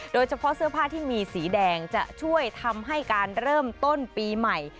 โดยเฉพาะเสื้อผ้าที่มีสีแดงจะช่วยทำให้การเริ่มต้นปีใหม่